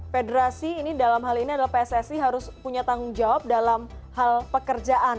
federasi ini dalam hal ini adalah pssi harus punya tanggung jawab dalam hal pekerjaan